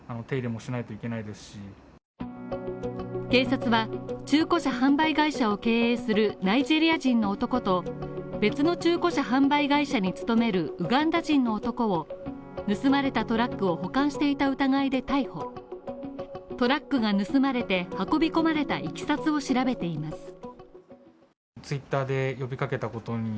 警察は中古車販売会社を経営するナイジェリア人の男と別の中古車販売会社に勤めるウガンダ人の男を盗まれたトラックを保管していた疑いで逮捕、トラックが盗まれて運び込まれた経緯を調べています。